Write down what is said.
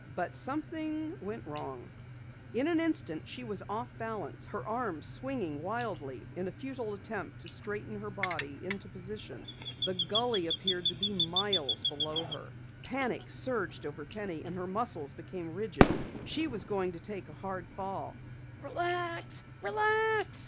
But something went wrong. In an instant she was off balance, her arms swinging wildly in a futile attempt to straighten her body into position. The gully appeared to be miles below her. Panic surged over Penny and her muscles became rigid. She was going to take a hard fall. "Relax! Relax!"